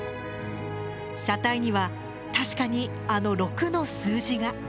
車体には確かにあの「６」の数字が。